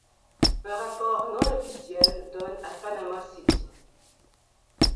Un rapport non officiel donne à Panama City.